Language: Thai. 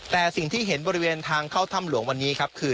แต่สิ่งที่เห็นบริเวณทางเข้าถ้ำหลวงวันนี้ครับคือ